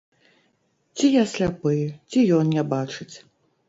Ці я сляпы, ці ён не бачыць?